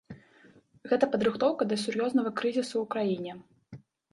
Гэта падрыхтоўка да сур'ёзнага крызісу ў краіне.